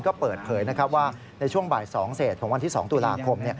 ก็เปิดเผยว่าในช่วงบ่าย๒เศษของวันที่๒ตุลาคม